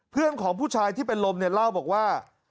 เพื่อนของผู้ชายที่เป็นลมเนี่ยเล่าบอกว่า